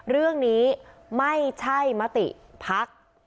เรื่องนี้ไม่ใช่มติภักดิ์